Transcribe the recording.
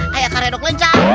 kayak kareduk lencah